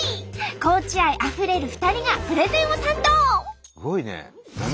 高知愛あふれる２人がプレゼンを担当！